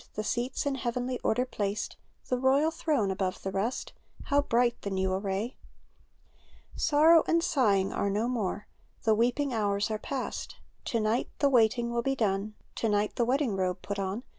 The seats in heavenly order placed. The royal throne above the rest; — How bright the new array ! Sorrow and sighing are no more. The weeping hours are past ; To night the waiting will be done. To night the wedding robe put on.